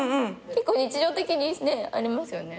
結構日常的にねありますよね。